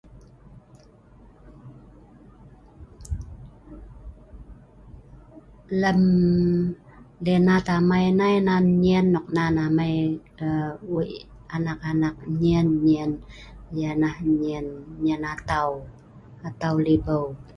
Lem lenat amai nai, nan nyien nok nan amai weik anak-anak nyien nyien atau, atau libeu.